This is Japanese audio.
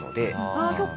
ああそっか。